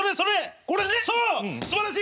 すばらしい！